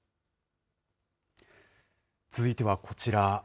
続いてはこちら。